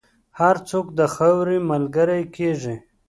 هر څوک د خاورې ملګری کېږي.